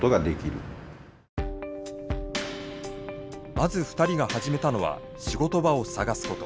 まず２人が始めたのは仕事場を探すこと。